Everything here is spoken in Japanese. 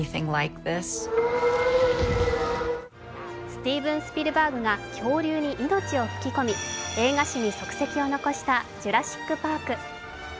スティーヴン・スピルバーグが恐竜に命を吹き込み映画史に足跡を残した「ジュラシック・パーク」。